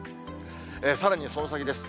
さらに、その先です。